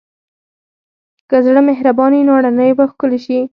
که زړه مهربان وي، نو نړۍ به ښکلې شي.